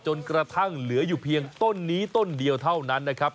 จนกระทั่งเหลืออยู่เพียงต้นนี้ต้นเดียวเท่านั้นนะครับ